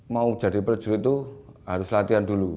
mau jadi prajurit itu harus latihan dulu